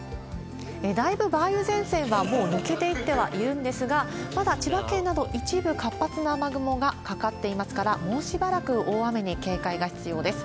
だいぶ梅雨前線はもう抜けていってはいるんですが、まだ千葉県など一部活発な雨雲がかかっていますから、もうしばらく大雨に警戒が必要です。